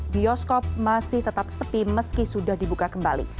bioskop masih tetap sepi meski sudah dibuka kembali